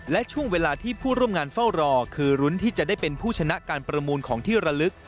และช่วงเวลาที่ผู้ร่วมงานเฝ้ารอคือรุ้นที่จะได้เป็นผู้ชนะการประมูลของที่ระลึก